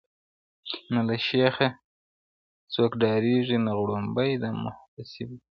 • نه له شیخه څوک ډاریږي نه غړومبی د محتسب وي -